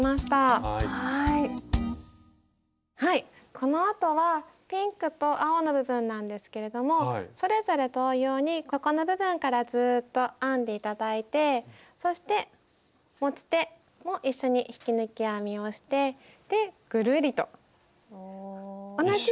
このあとはピンクと青の部分なんですけれどもそれぞれ同様にここの部分からずっと編んで頂いてそして持ち手も一緒に引き抜き編みをしてぐるりと同じように。